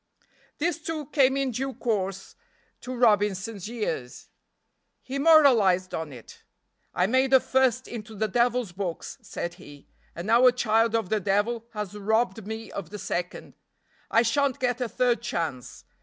This, too, came in due course to Robinson's ears. He moralized on it. "I made the first into the devil's books," said he, "and now a child of the devil has robbed me of the second. I shan't get a third chance.